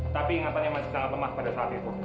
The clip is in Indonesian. tapi ingatannya masih sangat lemah pada saat itu